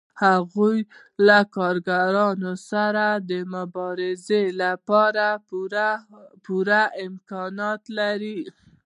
هغوی له کارګرانو سره د مبارزې لپاره پوره امکانات لري